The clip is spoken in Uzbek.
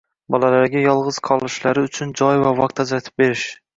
Bolalariga yolg‘iz qolishlari uchun joy va vaqt ajratib berish.